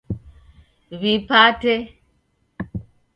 Wipate